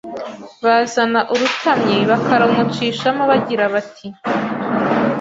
Bazana urutamyi bakarumucishamo bagira bati